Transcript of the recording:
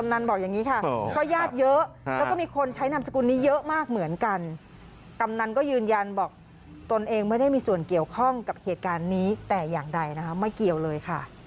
น้องพยายามเหมือนทำท่าจะหลักมือเราเราก็แบบเพี้ยเลย